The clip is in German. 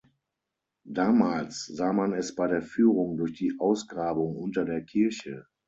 Damals sah man es bei der Führung durch die Ausgrabung unter der Kirche.